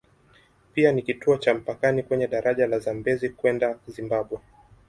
Pia ni kituo cha mpakani kwenye daraja la Zambezi kwenda Zimbabwe.